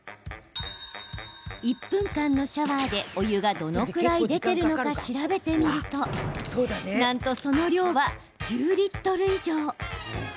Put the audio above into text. １分間のシャワーで、お湯がどのくらい出てるのか調べてみるとなんと、その量は１０リットル以上。